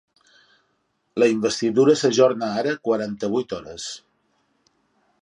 La investidura s’ajorna ara quaranta-vuit hores.